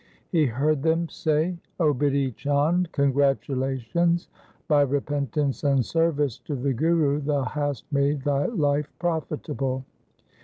He heard them say, ' 0 Bidhi Chand, congratulations ! By re pentance and service to the Guru thou hast made thy life profitable.